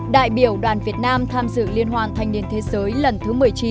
đại biểu đoàn việt nam tham dự liên hoàn thanh niên thế giới lần thứ một mươi chín